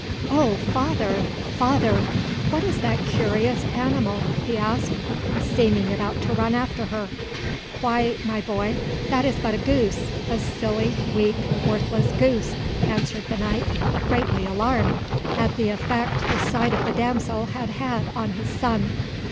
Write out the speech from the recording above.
"`Oh, father, father, what is that curious animal?' he asked, seeming about to run after her. "`Why, my boy, that is but a goose a silly, weak, worthless goose,' answered the knight, greatly alarmed at the effect the sight of the damsel had had on his son.